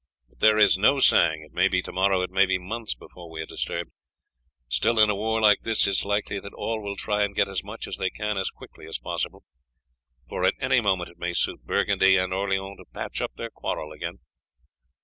But there is no saying, it may be to morrow, it may be months before we are disturbed. Still, in a war like this, it is likely that all will try and get as much as they can as quickly as possible, for at any moment it may suit Burgundy and Orleans to patch up their quarrel again.